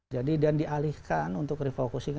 jadi dan dialihkan untuk refocusing